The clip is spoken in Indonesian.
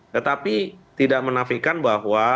tetapi tidak menafikan bahwa